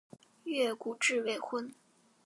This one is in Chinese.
越谷治未婚。